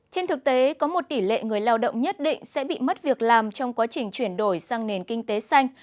trên thực tế có một tỷ lệ người lao động nhất định sẽ bị mất việc làm trong quá trình chuyển đổi sang nền kinh tế xanh